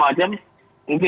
punya banyak pengikut